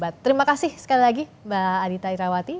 terima kasih sekali lagi mbak adita irawati